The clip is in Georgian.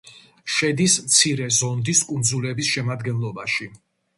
შედის მცირე ზონდის კუნძულების შემადგენლობაში.